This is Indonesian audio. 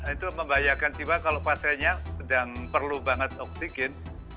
itu membahayakan jiwa kalau pasiennya sedang perlu banget oksigen